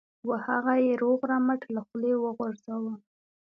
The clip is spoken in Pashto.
و هغه یې روغ رمټ له خولې وغورځاوه.